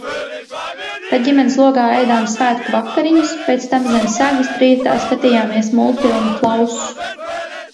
Tad ģimenes lokā ēdām svētku vakariņas, pēc tam zem segas trijatā skatījāmies multfilmu "Klauss".